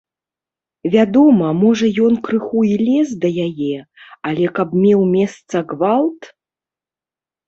Вядома, можа, ён крыху і лез да яе, але каб меў месца гвалт?